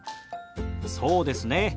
そうですね。